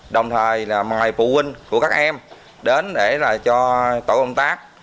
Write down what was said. đồng thời mời phụ huynh của các em đến để cho tội công tác